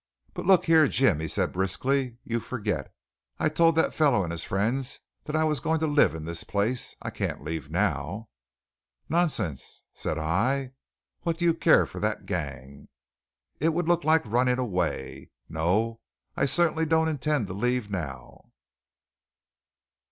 "But look here, Jim," he said briskly, "you forget. I told that fellow and his friends that I was going to live in this place. I can't leave now." "Nonsense," said I. "What do you care for that gang?" "It would look like running away. No, I certainly don't intend to leave now."